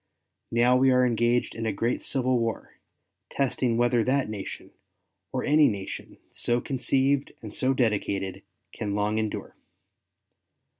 Now we are engaged in a great civil war, testing whether that nation, or any nation so conceived and so dedicated, can long endure.